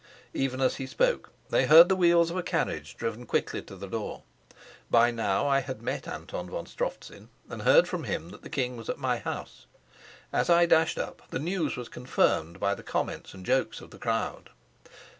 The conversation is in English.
Even as he spoke they heard the wheels of a carriage driven quickly to the door. By now I had met Anton von Strofzin and heard from him that the king was at my house. As I dashed up the news was confirmed by the comments and jokes of the crowd.